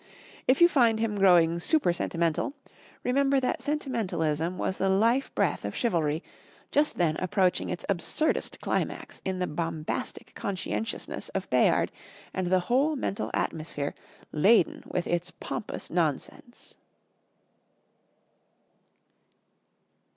If you find him growing super sentimental, remember that sentimentalism was the life breath of chivalry, just then approaching its absurdest climax in the bombastic conscientiousness of Bayard and the whole mental atmosphere laden with its pompous nonsense.